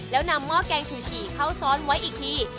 แล้วนำหม้อแกงฉูฉี่เข้าซ้อนไว้อีกที